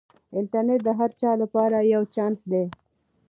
انټرنیټ د هر چا لپاره یو چانس دی.